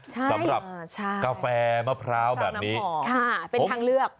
สำหรับกาแฟมะพร้าวแบบนี้ค่ะเป็นทางเลือก